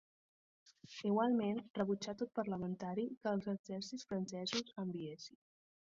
Igualment, rebutjà tot parlamentari que els exèrcits francesos enviessin.